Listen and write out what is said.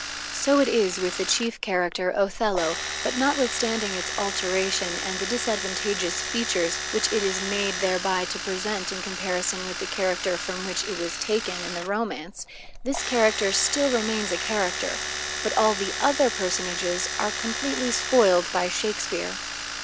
So it is with the chief character, Othello, but notwithstanding its alteration and the disadvantageous features which it is made thereby to present in comparison with the character from which it was taken in the romance, this character still remains a character, but all the other personages are completely spoiled by Shakespeare.